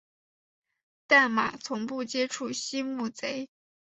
但马从不接触溪木贼。